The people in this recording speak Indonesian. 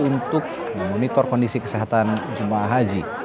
untuk memonitor kondisi kesehatan jemaah haji